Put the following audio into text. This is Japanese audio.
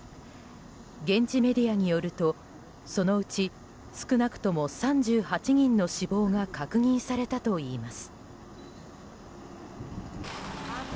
現地メディアによるとそのうち少なくとも３８人の死亡が確認されたといいます。